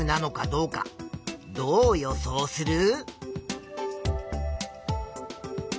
どう予想する？